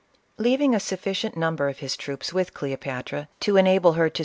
Leaving a sufficient number of his troops with Cleopatra, to enable her to 28 CLEOPATRA.